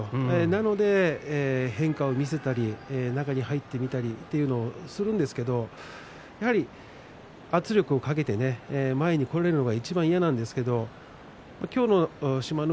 なので変化を見せたり中に入ってみたりというのをするんですけれどやはり圧力をかけて前に来られるのがいちばん嫌なんですけれど今日の志摩ノ